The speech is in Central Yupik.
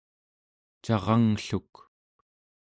caranglluk